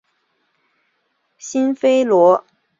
辛菲罗波尔国际机场。